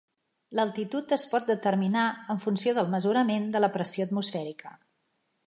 L'altitud es pot determinar en funció del mesurament de la pressió atmosfèrica.